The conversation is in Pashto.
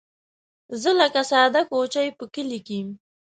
زه لکه ساده کوچۍ په کلي کې